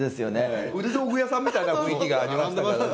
古道具屋さんみたいな雰囲気がありましたからね。